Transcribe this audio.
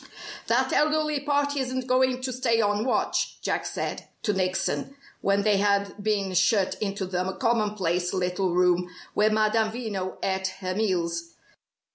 "That elderly party isn't going to stay on watch," Jack said to Nickson, when they had been shut into the commonplace little room where Madame Veno ate her meals.